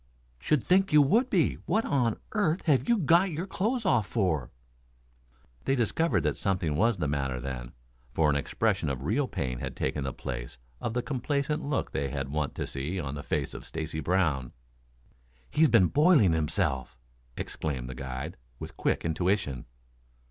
"Should think you would he. What on earth have you got your clothes off for?" They discovered that something was the matter then, for an expression of real pain had taken the place of the complacent look they were wont to see on the face of Stacy Brown. "He's been boiling himself!" exclaimed the guide, with quick intuition.